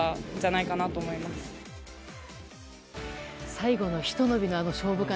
最後のひと伸びの、あの勝負勘